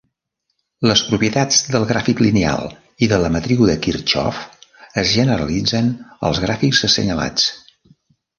Les propietats del gràfic lineal i de la matriu de Kirchhoff es generalitzen als gràfics assenyalats.